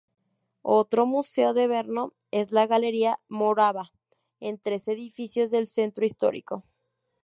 Otro museo de Brno es la Galería Morava, en tres edificios del centro histórico.